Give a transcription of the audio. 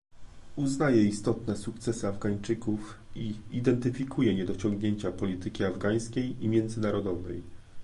Uznaje istotne sukcesy Afgańczyków i identyfikuje niedociągnięcia polityki afgańskiej i międzynarodowej